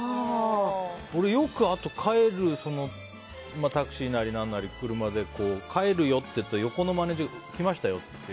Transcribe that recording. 俺、よくタクシーなりなんなり、車で帰るよっていうと横のマネジャーが来ましたよって。